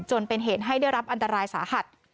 จนเป็นเหตุให้ได้รับอันตรายสาหัส